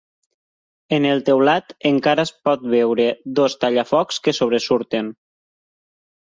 En el teulat encara es pot veure dos tallafocs que sobresurten.